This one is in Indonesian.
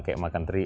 kayak makan teri